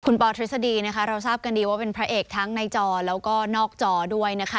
คุณปอทฤษฎีนะคะเราทราบกันดีว่าเป็นพระเอกทั้งในจอแล้วก็นอกจอด้วยนะคะ